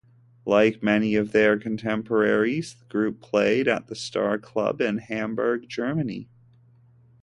Like many of their contemporaries the group played at the Star-Club in Hamburg, Germany.